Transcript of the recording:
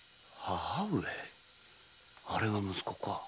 あれが息子か